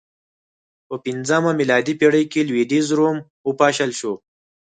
په پنځمه میلادي پېړۍ کې لوېدیځ روم وپاشل شو